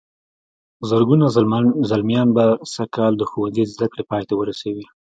زرګونه زلميان به سږ کال د ښوونځي زدهکړې پای ته ورسوي.